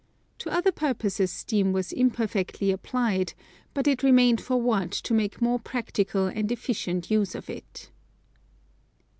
To other purposes steam was imperfectly applied, but it remained for Watt to make more practical and efficient use of it.